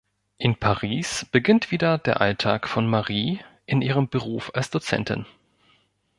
In Paris beginnt wieder der Alltag von Marie in ihrem Beruf als Dozentin.